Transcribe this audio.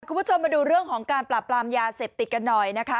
คุณผู้ชมมาดูเรื่องของการปราบปรามยาเสพติดกันหน่อยนะคะ